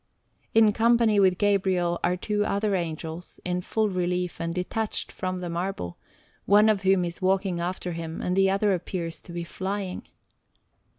In company with Gabriel are two other Angels, in full relief and detached from the marble, one of whom is walking after him and the other appears to be flying.